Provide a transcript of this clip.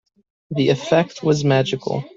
The effect was magical.